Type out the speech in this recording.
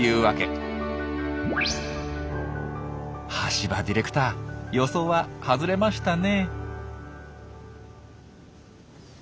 橋場ディレクター予想は外れましたね。